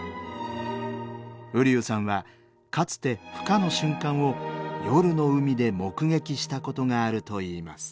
瓜生さんはかつてふ化の瞬間を夜の海で目撃したことがあるといいます。